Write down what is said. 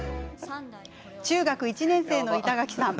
中学１年生の板垣さん。